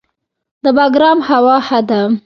د بګرام هوا ښه ده